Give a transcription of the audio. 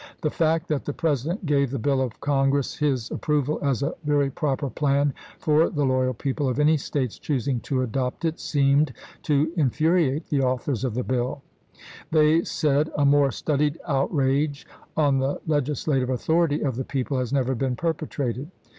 The fact that the President gave the bill of Congress his approval as a very proper plan for the loyal people of any States choosing to adopt it seemed to in furiate the authors of the bill : they said, " A more studied outrage on the legislative authority of the people has never been perpetrated."